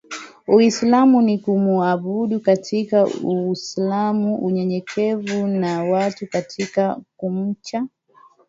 Uislamu ni kumuabudu Katika Uislam unyenyekevu wa mtu katika kumcha